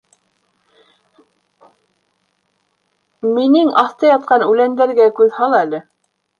— Минең аҫта ятҡан үләндәргә күҙ һал әле...